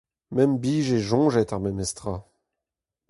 Me 'm bije soñjet ar memes tra.